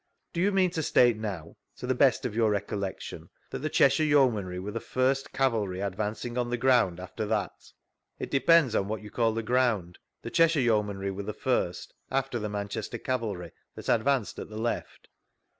Do you mean to state naw, to the best of your recollection, that the Cheshire Yeomanry were the first cavalry advancing on the ground after that ?— It ilepends on what ytni call the ground; the Cheshire Yeomanry were the first, after the Man chester cavalry, that advanced at the left.